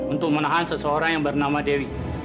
untuk menahan seseorang yang bernama dewi